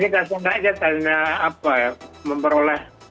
ini kasihan rakyat hanya memperoleh